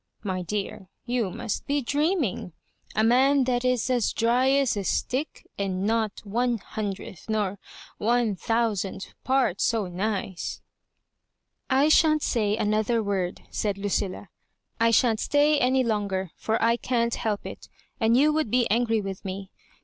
My dear, you must be dreaming — a man that is as dry as a stick, and not one hundredth nor one thousandth part so nice "" I shan't say another word," said Lucilla; " I shan't stay any longer, for I can't help it and you would be angry with me.